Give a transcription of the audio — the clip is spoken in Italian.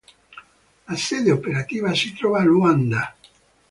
La sede operativa si trova a Luanda.